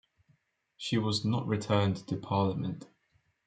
She was not returned to Parliament.